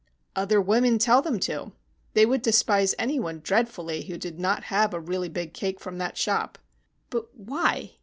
"Other women tell them to. They would despise any one dreadfully who did not have a really big cake from that shop." "But why?"